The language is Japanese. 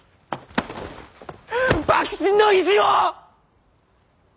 幕臣の意地を！